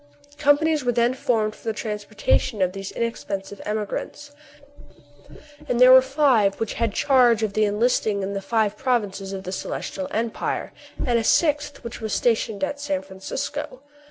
Companies were then formed for the transporta tion of these inexpensive emigrants ; and there were five which had charge of the enlisting in the five provinces of the Celestial Empire, and a sixth which was stationed at San Francisco.